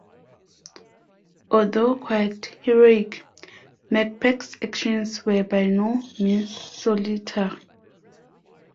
Although quite heroic, McPeake's actions were by no means solitary.